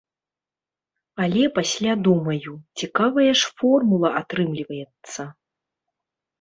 Але пасля думаю, цікавая ж формула атрымліваецца.